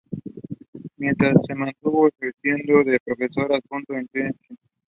Mientras se mantuvo ejerciendo de profesor adjunto de la Technische Hochschule de Berlin.